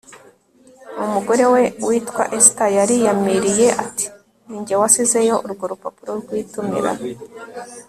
umugore we witwa ester yariyamiriye ati “ni jye wasizeyo urwo rupapuro rw'itumira